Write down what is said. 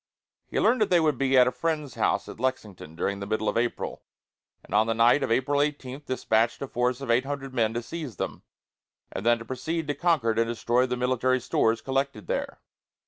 He learned that they would be at a friend's house at Lexington, during the middle of April, and on the night of April 18 dispatched a force of eight hundred men to seize them, and then to proceed to Concord and destroy the military stores collected there.